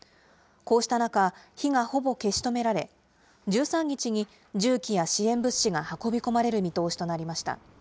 こうした中、火がほぼ消し止められ、１３日に重機や支援物資が運び込まれる見通しとなりました。